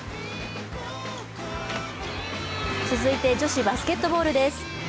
続いて女子バスケットボールです。